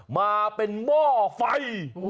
มาเป็นหม้อไฟ